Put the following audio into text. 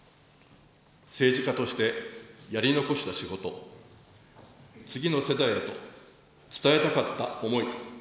政治家としてやり残した仕事、次の世代へと伝えたかった思い。